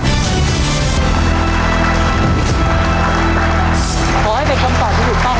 ขอให้เป็นคำตอบที่ถูกต้อง